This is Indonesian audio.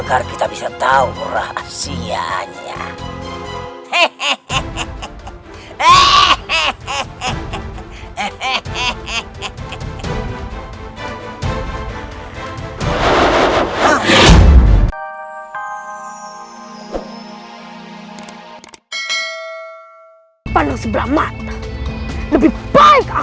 sampai jumpa di video selanjutnya